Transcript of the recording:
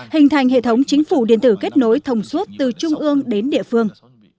hình thành hệ thống chính phủ điện tử kết nối thông suốt từ trung ương đến địa phương